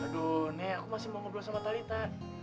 aduh nek aku masih mau berbual sama talita